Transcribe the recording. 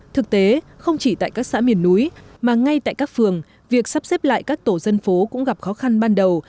thực tế không chỉ tại các xã miền núi mà ngay tại các phường việc sắp xếp lại các tổ dân phố cũng gặp khó khăn ban đầu